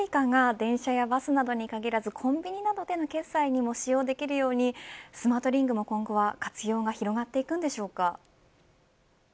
まさに、Ｓｕｉｃａが電車やバスなどに限らずコンビニなどでの決済にも使用できるようにスマートリングも今後は活用が広がるんでしょうか。